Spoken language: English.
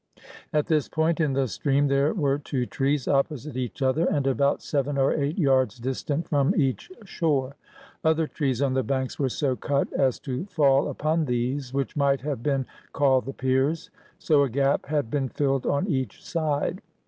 At this point in the stream there were two trees opposite each other, and about seven or eight yards distant from each shore. Other trees on the banks were so cut as to fall upon these, which might have been called the piers. So a gap had been filled on each side.